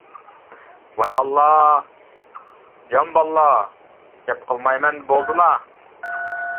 ۋاي ئاللا، جان باللا، گەپ قىلمايمەن بولدىلا.